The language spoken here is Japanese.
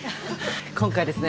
今回ですね。